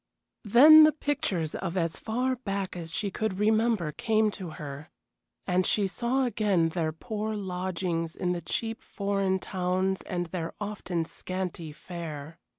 Then the pictures of as far back as she could remember came to her, and she saw again their poor lodgings in the cheap foreign towns and their often scanty fare.